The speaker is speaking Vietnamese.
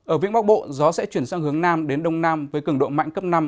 ở vĩnh bắc bộ gió sẽ chuyển sang hướng nam đến đông nam với cường độ mạnh cấp năm